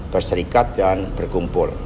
berserikat dan berkumpul